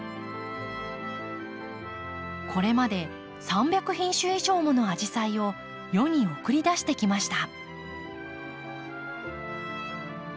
これまで３００品種以上ものアジサイを世に送り出してきました。